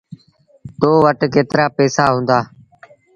تو وٽ ڪيترآ پئيٚسآ هُݩدآ۔